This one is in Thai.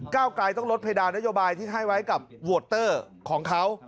เก้าไกลต้องลดเพดานนโยบายที่ให้ไว้กับโวตเตอร์ของเขา